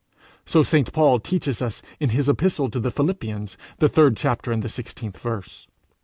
So St Paul teaches us in his epistle to the Philippians, the third chapter and sixteenth verse.